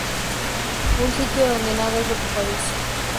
Un sitio donde nada es lo que parece.